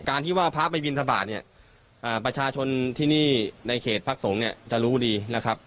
ที่ว่าพระไปบินทบาทเนี่ยประชาชนที่นี่ในเขตพักสงฆ์เนี่ยจะรู้ดีนะครับ